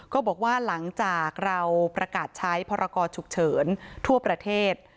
ก็บอกว่าหลังจากเราประกาศใช้พรกรฉุกเฉินทั่วประเทศ